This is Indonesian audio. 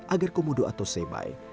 agar komodo atau semai